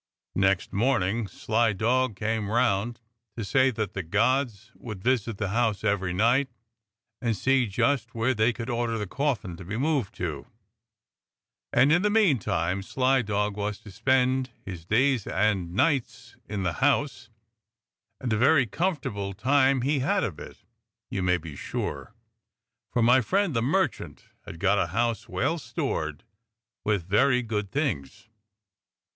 Next morning sly dog came round to say that the gods would visit the house every night and see just where they could order the coffin to be moved to, and in the meantime sly dog was to spend his days and nights in the house, and a very comfortable time he had of it, you may be sure, for my friend the merchant had got a house well stored with very good things.